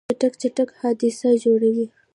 چټک تګ حادثه جوړوي.